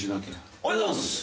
おはようございます！